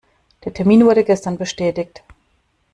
Der Termin wurde gestern bestätigt.